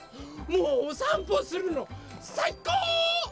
もうおさんぽするのさいこう！